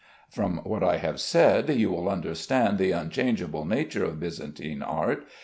From what I have said, you will understand the unchangeable nature of Byzantine art.